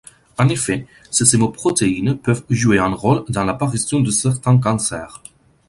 En effet, ces hémoprotéines peuvent jouer un rôle dans l'apparition de certains cancers.